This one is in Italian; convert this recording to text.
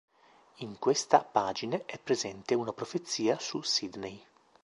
In questa pagine è presente una profezia su Sydney.